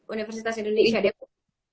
universitas indonesia depok